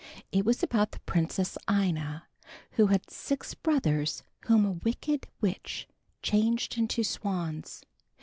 It was about the Princess Ina, who had six brothers whom a wicked witch changed into swans.